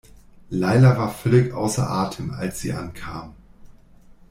Laila war völlig außer Atem, als sie ankam.